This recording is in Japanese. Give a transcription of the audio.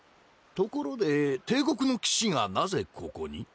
ところで帝国の騎士がなぜここに？